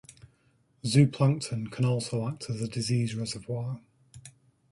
Zooplankton can also act as a disease reservoir.